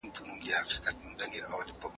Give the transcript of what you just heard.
ټولنه به د بدلون لور ته ولاړه سي.